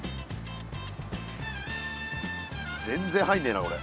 全然入んねえなこれ。